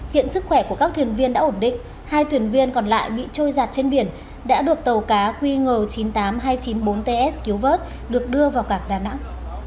hiện sức khỏe của các thuyền viên đã ổn định hai thuyền viên còn lại bị trôi giặt trên biển đã được tàu cá qng chín mươi tám nghìn hai trăm chín mươi bốn ts cứu vớt được đưa vào cảng đà nẵng